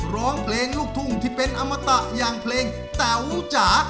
ร้องเพลงลูกทุ่งที่เป็นอมตะอย่างเพลงแต๋วจ๋า